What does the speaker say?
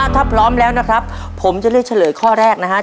ถ้าพร้อมแล้วนะครับผมจะเลือกเฉลยข้อแรกนะครับ